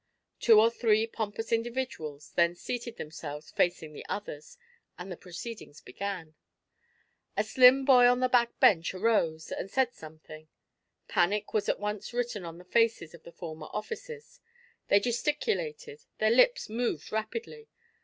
Two or three pompous individuals then seated themselves facing the others, and the proceedings began. A slim boy on a back bench arose and said something. Panic was at once written on the faces of the former officers. They gesticulated; their lips moved rapidly.